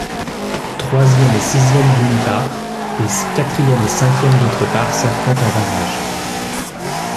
Troisième et sixième d'une part et quatrième et cinquième d'autre part s'affrontent en barrage.